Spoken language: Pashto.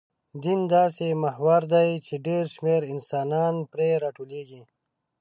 دین داسې محور دی، چې ډېر شمېر انسانان پرې راټولېږي.